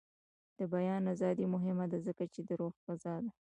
د بیان ازادي مهمه ده ځکه چې د روح غذا ده.